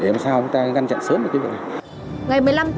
để làm sao chúng ta ngăn chặn sớm được cái vấn đề này